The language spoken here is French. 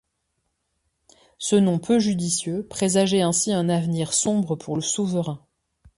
Ce nom peu judicieux présageait ainsi un avenir sombre pour le souverain.